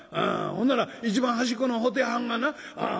ほんなら一番端っこの布袋はんがな